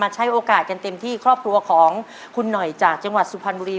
ใช้โอกาสกันเต็มที่ครอบครัวของคุณหน่อยจากจังหวัดสุพรรณบุรี